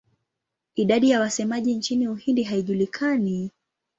Idadi ya wasemaji nchini Uhindi haijulikani.